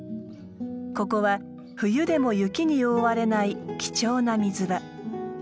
ここは冬でも雪に覆われない貴重な水場。